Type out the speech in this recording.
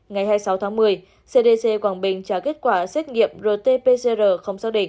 ngày hai mươi sáu tháng một mươi cdc quảng bình trả kết quả xét nghiệm rt pcr không xác định